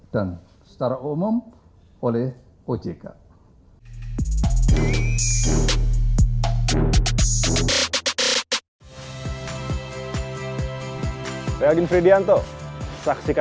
dan secara umum oleh ojk